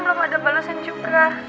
belum ada balasan juga